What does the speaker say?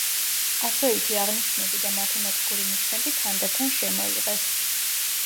ასოითი აღნიშვნები და მათემატიკური ნიშნები თანდათან შემოიღეს.